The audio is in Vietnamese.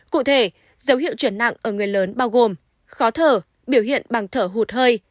cụ thể dấu hiệu chuyển nặng ở người lớn bao gồm khó thở biểu hiện bằng thở hụt hơi